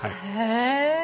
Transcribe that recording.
へえ。